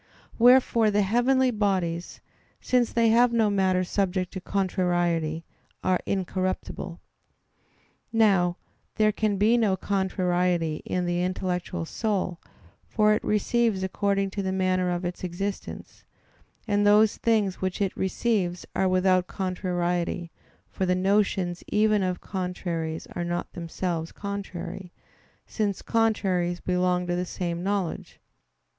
Wherefore the heavenly bodies, since they have no matter subject to contrariety, are incorruptible. Now there can be no contrariety in the intellectual soul; for it receives according to the manner of its existence, and those things which it receives are without contrariety; for the notions even of contraries are not themselves contrary, since contraries belong to the same knowledge.